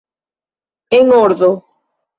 En ordo!